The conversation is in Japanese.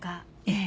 ええ。